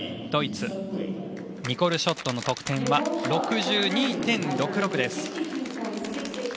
ドイツのニコル・ショットの得点は６２．６６です。